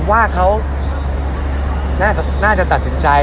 ว่าเขาน่าจะตัดสินใจ